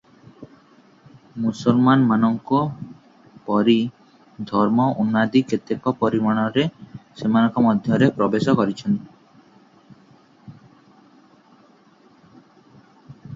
ମୁସଲମାନମାନଙ୍କୁ ପରି ଧର୍ମଉନ୍ମାଦି କେତେକ ପରିମାଣରେ ସେମାନଙ୍କ ମଧ୍ୟରେ ପ୍ରବେଶ କରିଅଛି ।